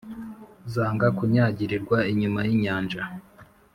zanga kunyagirirwa inyuma y’inyanja